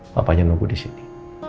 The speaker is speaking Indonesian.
papanya nunggu disini